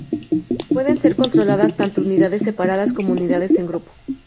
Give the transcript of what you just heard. Pueden ser controladas tanto unidades separadas como unidades en grupo.